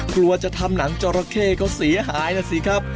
กลัวจะทำหนังจอแร่แค้นเขาเสียหายน่ะสิครับ